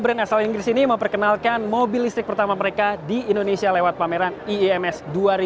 brand asal inggris ini memperkenalkan mobil listrik pertama mereka di indonesia lewat pameran iims dua ribu dua puluh